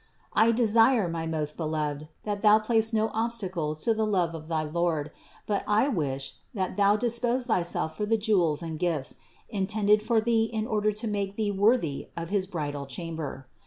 85. I desire, my most beloved, that thou place no ob stacle to the love of thy Lord; but I wish, that thou dispose thyself for the jewels and gifts, intended for thee in order to make thee worthy of his bridal chamber.